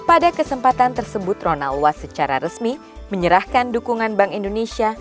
pada kesempatan tersebut ronald secara resmi menyerahkan dukungan bank indonesia